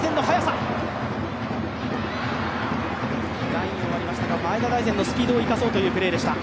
ラインを割りましたが、前田大然のスピードを生かそうというプレーでした。